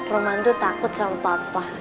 roman itu takut sama papa